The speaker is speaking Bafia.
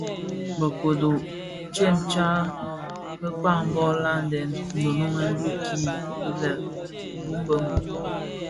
Be kodo tsëmtsa bekpag bō laden ndhoňdeňèn bikin bi lè bum bë mum.